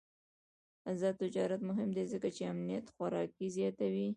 آزاد تجارت مهم دی ځکه چې امنیت خوراکي زیاتوي.